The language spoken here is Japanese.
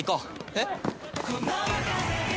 えっ？